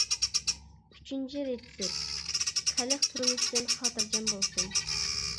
ئۈچىنچى رېتسېپ، خەلق تۇرمۇشتىن خاتىرجەم بولسۇن.